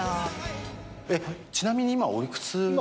えっちなみに今おいくつ？